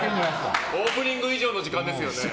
オープニング以上の時間ですよね。